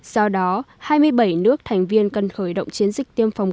do đó hai mươi bảy nước thành viên cần khởi động chiến dịch tiêm phòng